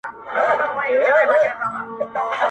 له ګودره یمه ستړی له پېزوانه یمه ستړی!